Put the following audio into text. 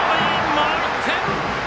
もう１点！